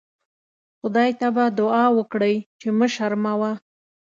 خدای ته به دوعا وکړئ چې مه شرموه.